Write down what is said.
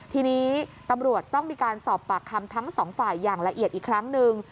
ทีนี้ตำรวจต้องมีการสอบปากคำทั้งสองฝ่ายอย่างละเอียดอีกครั้งหนึ่ง